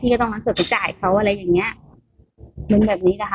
พี่ก็ต้องการเสิร์ชกับจ่ายเขาอะไรอย่างเงี้ยมันแบบนี้นะคะ